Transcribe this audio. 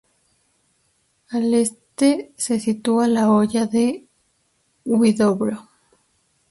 Al este se sitúa la Hoya de Huidobro.